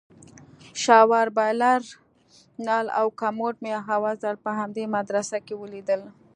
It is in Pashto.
شاور بايلر نل او کموډ مې اول ځل په همدې مدرسه کښې وليدل.